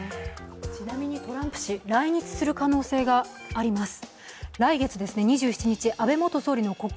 ちなみにトランプ氏、来日する可能性があります。